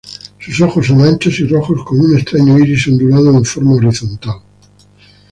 Sus ojos son anchos y rojos con un extraño iris ondulado en forma horizontal.